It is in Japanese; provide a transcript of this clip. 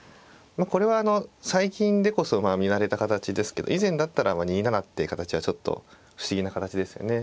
これはあの最近でこそ見慣れた形ですけど以前だったら２七って形はちょっと不思議な形ですよね。